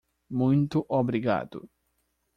Muito obrigado.